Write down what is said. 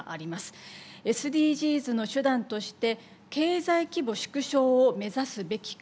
ＳＤＧｓの手段として経済規模縮小を目指すべきか？